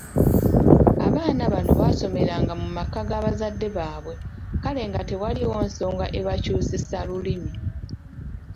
Abaana bonna baasomeranga mu maka ga bazadde baabwe kale nga tewaliiwo nsonga ebakyusisa Lulimi.